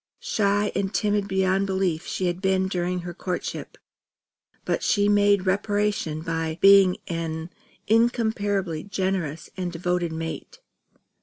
Shy and timid beyond belief she had been during her courtship; but she made reparation by being an incomparably generous and devoted mate.